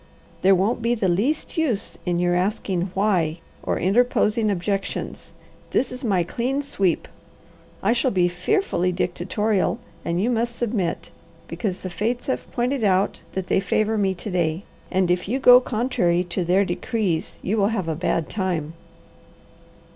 There won't be the least use in your asking 'why' or interposing objections. This is my clean sweep. I shall be fearfully dictatorial and you must submit, because the fates have pointed out that they favour me to day, and if you go contrary to their decrees you will have a bad time."